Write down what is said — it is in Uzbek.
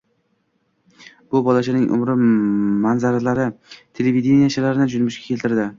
Bu bolachaning umri manzaralari televidenichilarni junbushga keltirdi!